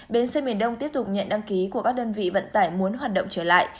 bến xe miền đông tiếp tục nhận đăng ký của các đơn vị vận tải muốn hoạt động trở lại